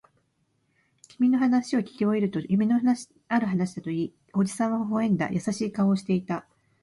君の話をきき終えると、夢のある話だと言い、おじさんは微笑んだ。優しい顔をしていた。